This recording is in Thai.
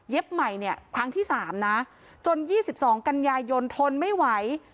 เย็บใหม่เนี่ยครั้งที่สามนะจนยี่สิบสองกัญญายนทนไม่ไหว